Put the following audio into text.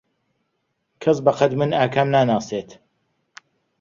کەس بەقەد من ئاکام ناناسێت.